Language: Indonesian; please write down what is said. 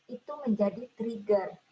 itu menjadi trigger